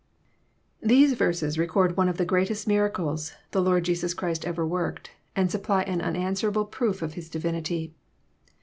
These verses record one of the greatest miracles the Lord Jesus Christ ever worked, and supply an unanswerable proof of His divinity.